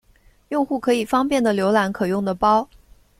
用户可以方便的浏览可用的包。